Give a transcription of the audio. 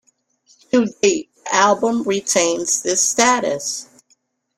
To date, the album retains this status.